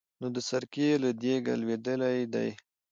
نو د سرکې له دېګه لوېدلی دی.